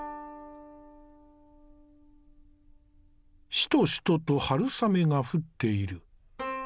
しとしとと春雨が降っている。